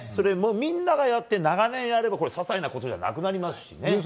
みんながやって長年やれば些細なことじゃなくなりますしね。